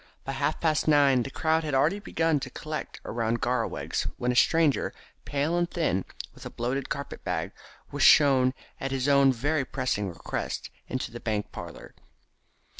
By half past nine the crowd had already begun to collect around Garraweg's, when a stranger, pale and thin, with a bloated carpet bag, was shown at his own very pressing request into the bank parlour.